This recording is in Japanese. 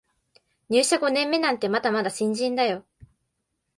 入社五年目なんてまだまだ新人だよ